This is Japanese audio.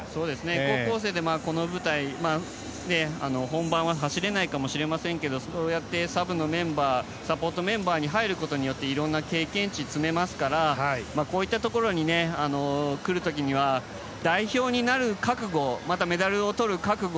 高校生でこの舞台本番は走れないかもしれませんけどサポートメンバーに入ることによって経験値を積めますからこういったところに来る時には代表になる覚悟メダルをとる覚悟